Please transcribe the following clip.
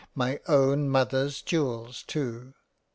My own Mother's Jewels too